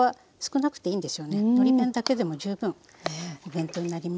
のり弁だけでも十分お弁当になりますので。